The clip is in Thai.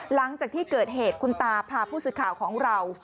หลังจากที่เกิดเหตุคุณตาพาผู้สื่อข่าวของเรา